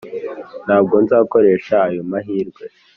ntabwo nzakoresha ayo mahirwe.